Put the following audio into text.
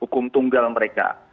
hukum tunggal mereka